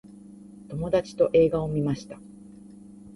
友達と映画を観ました。